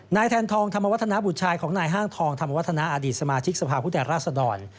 แทนทองธรรมวัฒนาบุตรชายของนายห้างทองธรรมวัฒนาอดีตสมาชิกสภาพผู้แทนราชดร